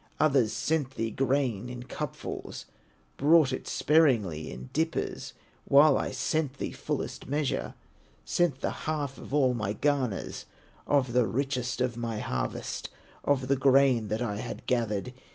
Others sent thee grain in cupfuls, Brought it sparingly in dippers, While I sent thee fullest measure, Sent the half of all my garners, Of the richest of my harvest, Of the grain that I had gathered.